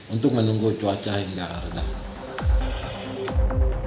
untuk menunggu cuaca hingga karenanya